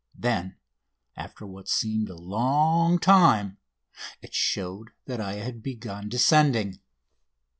Then, after what seemed a long time, it showed that I had begun descending.